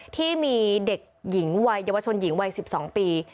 ที่มีเด็กหญิงวัยเยาวชนหญิงวัย๑๒ปี